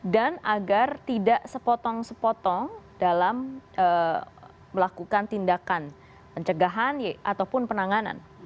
dan agar tidak sepotong sepotong dalam melakukan tindakan pencegahan ataupun penanganan